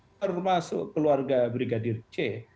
termasuk keluarga brigadir c